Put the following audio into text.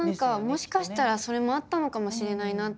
もしかしたらそれもあったのかもしれないなって。